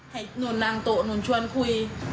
ให้หนุ่นนางโตหนุ่นชวนคุย